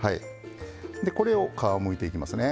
でこれを皮むいていきますね。